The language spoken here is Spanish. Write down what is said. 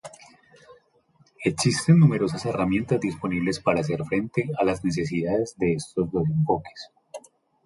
Existen numerosas herramientas disponibles para hacer frente a las necesidades de estos dos enfoques.